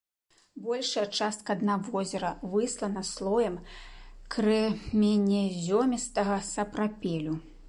Большая частка дна возера выслана слоем крэменязёмістага сапрапелю.